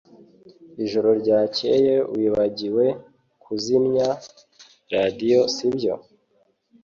Ijoro ryakeye wibagiwe kuzimya radio sibyo